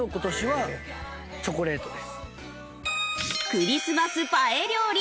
クリスマス映え料理。